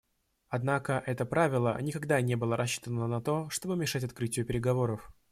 Однако это правило никогда не было рассчитано на то, чтобы мешать открытию переговоров.